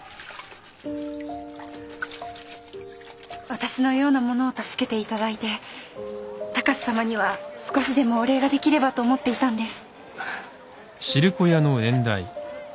私のような者を助けて頂いて高瀬様には少しでもお礼ができればと思っていたんです。